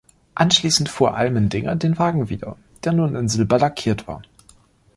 Anschließend fuhr Allmendinger den Wagen wieder, der nun in silber lackiert war.